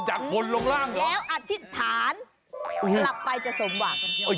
จากบนลงล่างเหรอแล้วอธิษฐานหลับไปจะสมบัติ